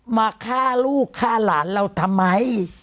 มาฆ่าลูกฆ่าหลานเราทำไม